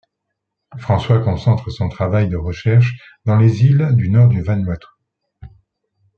François concentre son travail de recherche dans les îles du nord du Vanuatu.